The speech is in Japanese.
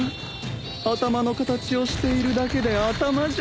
頭の形をしているだけで頭じゃない。